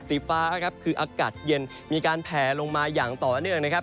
สีฟ้าครับคืออากาศเย็นมีการแผลลงมาอย่างต่อเนื่องนะครับ